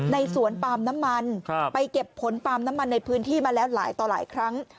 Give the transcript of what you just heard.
สวนปาล์มน้ำมันไปเก็บผลปาล์มน้ำมันในพื้นที่มาแล้วหลายต่อหลายครั้ง